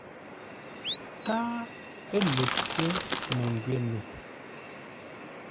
Káa ə̂ lə pə́ məngwě no.